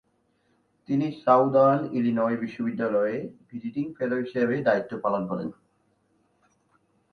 তিনি southern Illinois বিশ্ববিদ্যালয়ে visiting fellow হিসেবে দায়িত্ব পালন করেন।